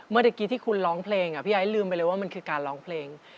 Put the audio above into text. เมื่อกี้ที่คุณร้องเพลงพี่ไอ้ลืมไปเลยว่ามันคือการร้องเพลง